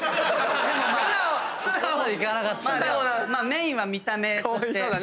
メインは見た目として。